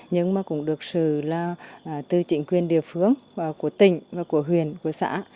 nhưng mà cũng được sử là từ trịnh quyền địa phương của tỉnh và của huyện của xã